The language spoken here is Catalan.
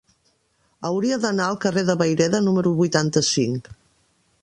Hauria d'anar al carrer de Vayreda número vuitanta-cinc.